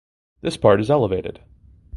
This part is elevated.